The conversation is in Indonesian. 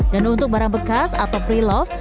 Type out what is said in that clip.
dan untuk barang bekas atau pre love